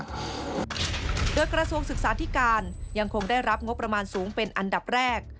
โดยกระทรวงศึกษาธิการยังคงได้รับงบประมาณสูงเป็นอันดับแรก